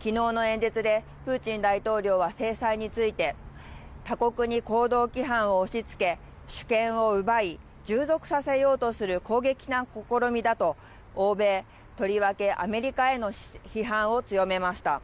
きのうの演説でプーチン大統領は制裁について、他国に行動規範を押しつけ、主権を奪い、従属させようとする攻撃的な試みだと、欧米、とりわけアメリカへの批判を強めました。